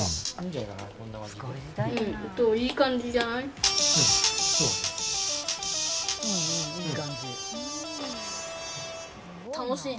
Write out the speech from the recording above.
いい感じじゃない？